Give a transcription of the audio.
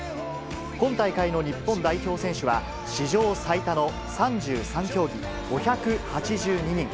今大会の日本代表選手は、史上最多の３３競技、５８２人。